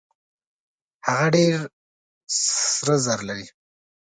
هغه ډېر سره زر لري.